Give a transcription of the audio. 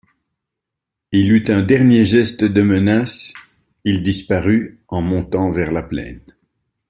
Il eut un dernier geste de menace, il disparut, en montant vers la plaine.